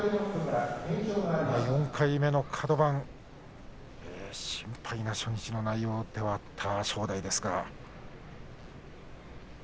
４回目のカド番心配な初日の内容ではあった正代ですが。